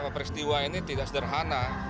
peristiwa ini tidak sederhana